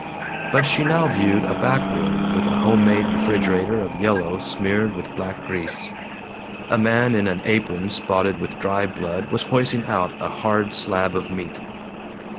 But she now viewed a back room with a homemade refrigerator of yellow smeared with black grease. A man in an apron spotted with dry blood was hoisting out a hard slab of meat.